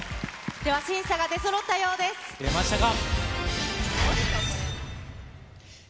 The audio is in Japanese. では、審査が出そろったよう出ましたか。